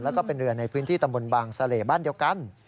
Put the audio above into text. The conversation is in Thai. แล้วก็เป็นเรือในพื้นที่ตำบลบางเสล่บ้านเดียวกัน